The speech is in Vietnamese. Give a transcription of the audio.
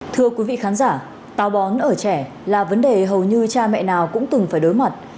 thưa quý vị khán giả tào bón ở trẻ là vấn đề hầu như cha mẹ nào cũng từng phải đối mặt